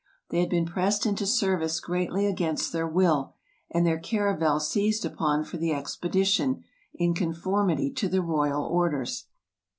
They had been pressed into service greatly against their will, and their caravel seized upon for the expedition, in conformity to the royal orders.